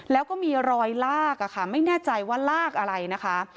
แล้วก็มีรอยลากค่ะไม่แน่ใจว่าลากอะไรนะคะ